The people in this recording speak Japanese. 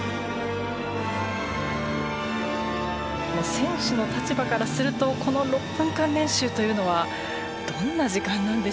選手の立場からするとこの６分間練習というのはどんな時間なんでしょうか？